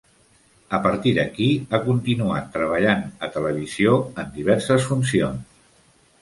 A partir d'aquí, ha continuat treballant en televisió en diverses funcions.